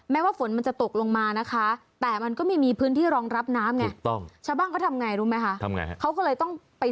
ว่าฝนมันจะตกลงมานะคะแต่มันก็ไม่มีพื้นที่รองรับน้ำไงรู้ไหมคะ